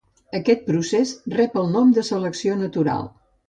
Aquest procés rep el nom de selecció natural.